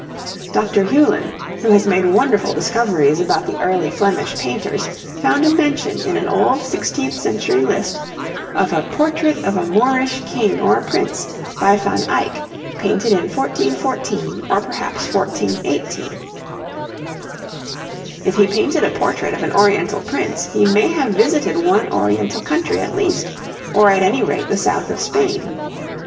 Dr. Hulin, who has made wonderful discoveries about the early Flemish painters, found a mention, in an old sixteenth century list, of a 'Portrait of a Moorish King or Prince' by Van Eyck, painted in 1414 or perhaps 1418. If he painted a portrait of an oriental prince, he may have visited one oriental country at least, or at any rate the south of Spain.